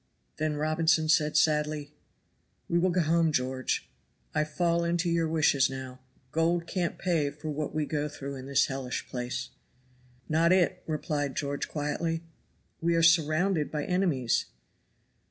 Then Robinson said sadly: "We will go home, George. I fall into your wishes now. Gold can't pay for what we go through in this hellish place." "Not it," replied George, quietly. "We are surrounded by enemies."